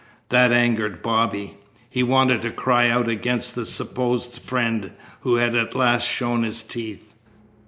That angered Bobby. He wanted to cry out against the supposed friend who had at last shown his teeth.